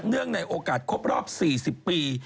เนื่องในโอกาสครบรอบ๔๐ปี